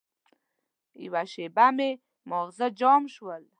یوه شېبه مې ماغزه جام شول.